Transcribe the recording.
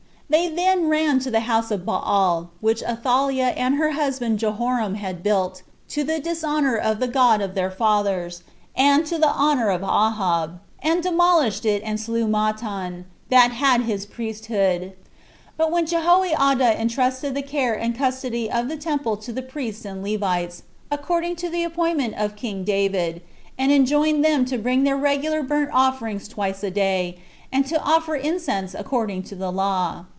They then ran to the house of Baal, which Athaliah and her husband Jehoram had built, to the dishonor of the God of their fathers, and to the honor of Ahab, and demolished it, and slew Mattan, that had his priesthood. But Jehoiada intrusted the care and custody of the temple to the priests and Levites, according to the appointment of king David, and enjoined them to bring their regular burnt offerings twice a day, and to offer incense according to the law.